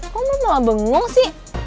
kok lo malah bengong sih